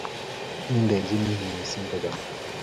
kiindenech yue mising kochomei